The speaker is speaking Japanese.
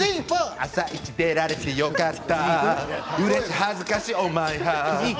「あさイチ」出られてよかった！